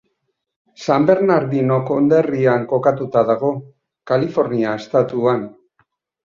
San Bernardino konderrian kokatuta dago, Kalifornia estatuan.